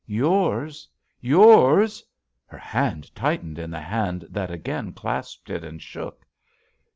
"Yours! Yours I" Her hand tightened in the hand that again clasped it, and shook.